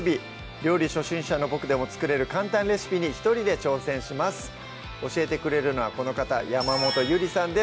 料理初心者のボクでも作れる簡単レシピに一人で挑戦します教えてくれるのはこの方山本ゆりさんです